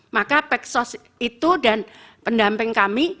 maka peksos itu dan pendamping kami